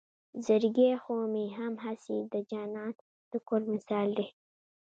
زړګے خو مې هم هسې د جانان د کور مثال دے